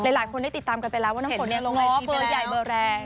หลายคนได้ติดตามกันไปแล้วว่าน้ำฝนลงเบอร์ใหญ่เบอร์แรง